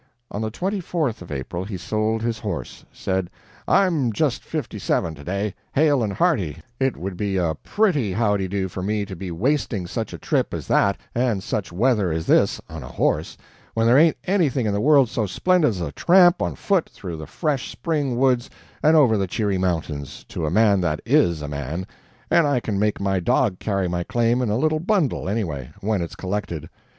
"On the 24th of April he sold his horse said 'I'm just fifty seven today, hale and hearty it would be a PRETTY howdy do for me to be wasting such a trip as that and such weather as this, on a horse, when there ain't anything in the world so splendid as a tramp on foot through the fresh spring woods and over the cheery mountains, to a man that IS a man and I can make my dog carry my claim in a little bundle, anyway, when it's collected.